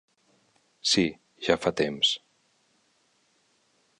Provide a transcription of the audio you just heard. Sí, ja fa temps.